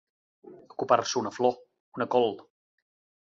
Acopar-se una flor, una col.